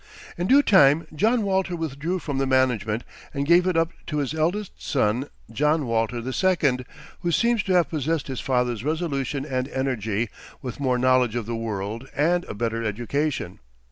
In due time John Walter withdrew from the management, and gave it up to his eldest son, John Walter the second, who seems to have possessed his father's resolution and energy, with more knowledge of the world and a better education.